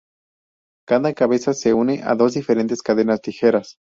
Cada cabeza se une a dos diferentes cadenas ligeras.